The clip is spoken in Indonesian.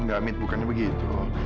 enggak mit bukannya begitu